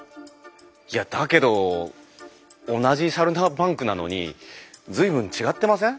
いやだけど同じサルタンバンクなのに随分違ってません？